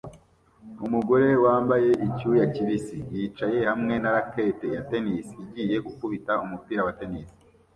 Umugore wambaye icyuya kibisi yicaye hamwe na racket ya tennis igiye gukubita umupira wa tennis